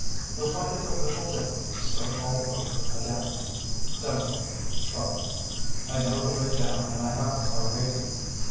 You'll find it a little difficult to start all over again. Don't trouble. I know the way down and I have a car waiting.